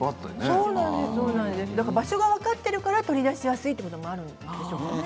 場所が分かっているから取り出しやすいということなんですよね。